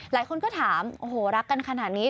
หลายคนก็ถามโอ้โหรักกันขนาดนี้